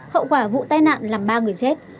hậu quả vụ tai nạn làm ba người chết